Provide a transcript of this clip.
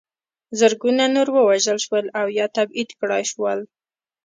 زرګونه نور ووژل شول او یا تبعید کړای شول.